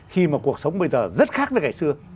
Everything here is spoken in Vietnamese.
khi mà cuộc sống bây giờ rất khác với ngày xưa